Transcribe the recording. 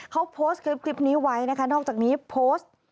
เขาโพสต์คลิปนี้ไว้นะคะนอกจากนี้โพสต์